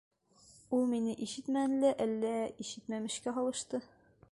Ул мине ишетмәне лә, әллә ишетмәмешкә һалышты.